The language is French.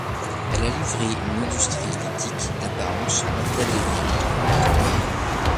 Elle a livré une industrie lithique d'apparence magdalénienne.